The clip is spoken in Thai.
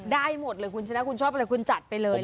ได้หมดเลยคุณชนะคุณชอบอะไรคุณจัดไปเลย